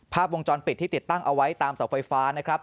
ภาพวงจรปิดที่ติดตั้งเอาไว้ตามเสาไฟฟ้านะครับ